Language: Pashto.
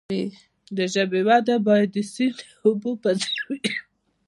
د ژبې وده باید د سیند د اوبو په څیر وي.